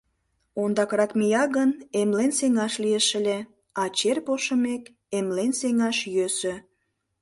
Ондакрак мия гын, эмлен сеҥаш лиеш ыле, а чер пошымек, эмлен сеҥаш йӧсӧ...